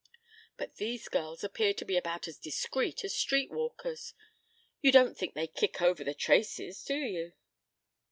But these girls appear to be about as discreet as street walkers. You don't think they kick over the traces, do you?"